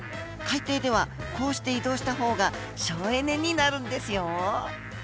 海底ではこうして移動したほうが省エネになるんですよ！